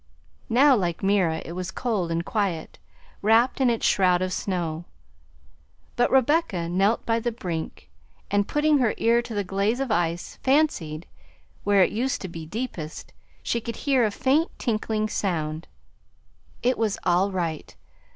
Now, like Mira, it was cold and quiet, wrapped in its shroud of snow; but Rebecca knelt by the brink, and putting her ear to the glaze of ice, fancied, where it used to be deepest, she could hear a faint, tinkling sound. It was all right!